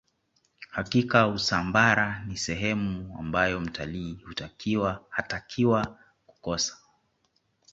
hakika usambara ni sehemu ambayo mtalii hatakiwa kukosa